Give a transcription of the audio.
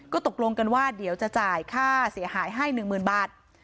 ก็ตกลงกันว่าเดี๋ยวจะจ่ายค่าเสียหายให้๑๐๐๐บาท